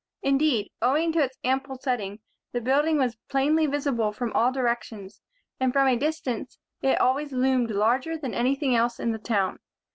Indeed, owing to its ample setting, the building was plainly visible from all directions; and from a distance, it always loomed larger than anything else in the town.